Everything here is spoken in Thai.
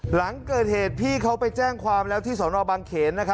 หลังเกิดเหตุพี่เขาไปแจ้งความแล้วที่สนบางเขน